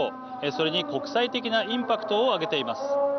それに、国際的なインパクトを挙げています。